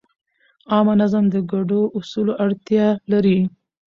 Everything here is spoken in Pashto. عامه نظم د ګډو اصولو اړتیا لري.